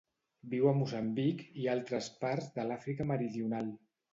Viu a Moçambic i altres parts de l'Àfrica Meridional.